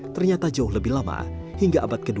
ternyata jauh lebih lama hingga abad ke dua